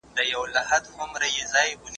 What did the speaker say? شهباز خان د يحيی خان زوی و